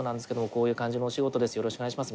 こういう感じのお仕事です。